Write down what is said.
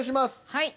はい。